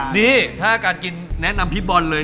นี่ถ้าการกินแนะนำพี่บอลเลย